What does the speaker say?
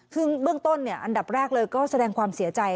ซึ่งเบื้องต้นอันดับแรกเลยก็แสดงความเสียใจ